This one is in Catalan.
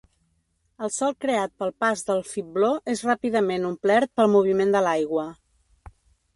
El solc creat pel pas del fibló és ràpidament omplert pel moviment de l'aigua.